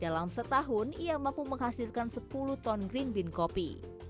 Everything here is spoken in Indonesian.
dalam setahun ia mampu menghasilkan sepuluh ton green bean kopi